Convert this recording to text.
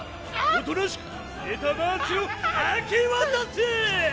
おとなしくメタバースを明け渡せ！